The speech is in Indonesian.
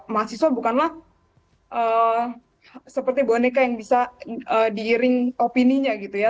mahasiswa bukanlah seperti boneka yang bisa diiring opininya gitu ya